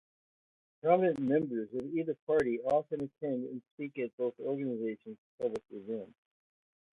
Prominent members of either party often attend and speak at both organizations' public events.